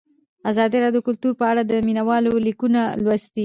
ازادي راډیو د کلتور په اړه د مینه والو لیکونه لوستي.